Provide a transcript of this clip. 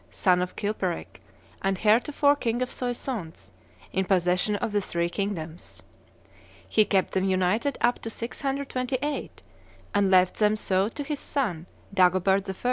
son of Chilperic, and heretofore king of Soissons, in possession of the three kingdoms. He kept them united up to 628, and left them so to his son, Dagobert I.